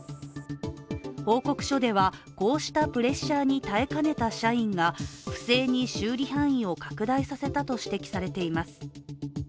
報告書では、こうしたプレッシャーに耐えかねた社員が不正に修理範囲を拡大させたと指摘されています。